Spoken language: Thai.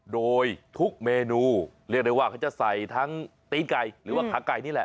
โดยทุกเมนูเรียกได้ว่าเขาจะใส่ทั้งตีนไก่หรือว่าขาไก่นี่แหละ